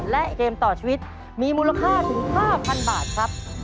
และเกมต่อชีวิตมีมูลค่าถึง๕๐๐๐บาทครับ